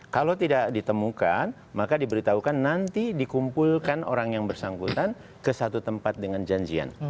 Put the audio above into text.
kalau tidak ditemukan maka diberitahukan nanti dikumpulkan orang yang bersangkutan ke satu tempat dengan janjian